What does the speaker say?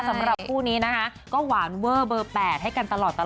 สำหรับคู่นี้นะคะก็หวานเวอร์เบอร์๘ให้กันตลอด